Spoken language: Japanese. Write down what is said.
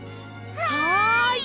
はい！